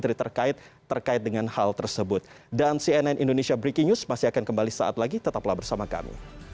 tidak ada tradisi merupakan